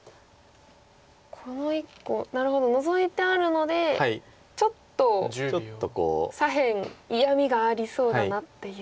この１個なるほどノゾいてあるのでちょっと左辺嫌みがありそうだなっていう。